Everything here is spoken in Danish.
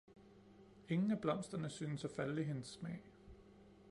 Ingen af blomsterne syntes at falde i hendes smag